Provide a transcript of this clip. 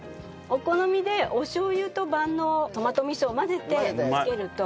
お好みでおしょう油と万能トマト味噌を混ぜてつけると。